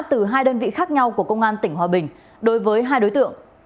từ hai đơn vị khác nhau của công an tỉnh hòa bình đối với hai đối tượng